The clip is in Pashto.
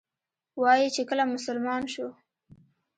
وایي چې کله مسلمان شو.